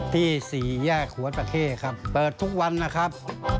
ที่๔แย่ขวดปะเค้เปิดทุกวันนะครับ